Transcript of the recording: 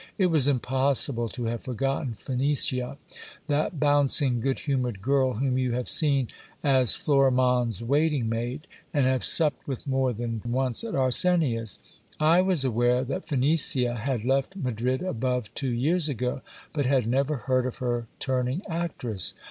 It was impossible to have forgotten Phenicia, that bouncing good humoured girl whom you have seen as Florimonde's waiting maid, and have LAURA'S STORY. 245 supped with more than once at Arsenia's. I was aware that Phenicia had left Madrid above two years ago, but had never heard of her turning actress.